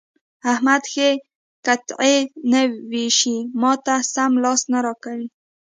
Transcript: احمد ښې قطعې نه وېشي؛ ما ته سم لاس نه راکوي.